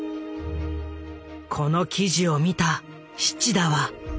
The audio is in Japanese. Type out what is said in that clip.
この記事を見た七田は。